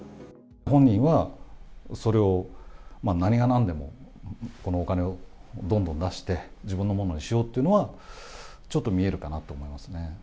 本人は、それを何がなんでも、このお金をどんどん出して、自分のものにしようっていうのは、ちょっと見えるかなとは思いますね。